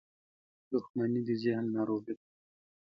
• دښمني د ذهن ناروغي ده.